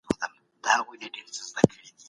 که قانون پلی سي هېڅوک به بې عدالتي ونه کړي.